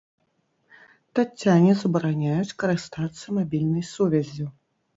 Таццяне забараняюць карыстацца мабільнай сувяззю.